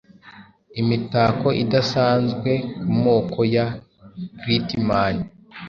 Imitako idasanzwekumoko ya Geatmen